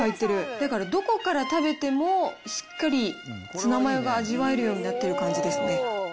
だからどこから食べても、しっかりツナマヨが味わえるようになってる感じですね。